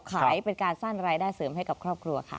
เป็นการสร้างรายได้เสริมให้กับครอบครัวค่ะ